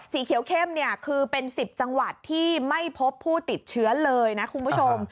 สีเขียวเข้มเนี่ยคือเป็น๑๐จังหวัดที่ไม่พบผู้ติดเชื้อเลยนะคุณผู้ชม